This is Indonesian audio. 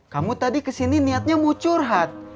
kamu tadi kesini niatnya mau curhat